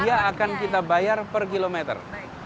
dia akan kita bayar per kilometer